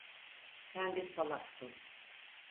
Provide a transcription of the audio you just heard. Sen bir salaksın.